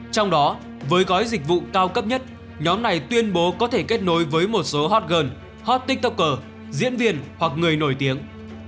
trong đó với gói dịch vụ cao cấp nhất nhóm này tuyên bố có thể kết nối với một số hot girl hot tiktoker diễn viên hoặc người nổi tiếng